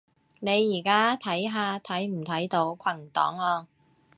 你而家睇下睇唔睇到群檔案